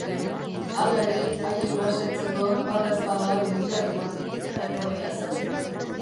Hala ere, haiek lasaitzeko, badaezpada, begiratu bat egitera etorria zen.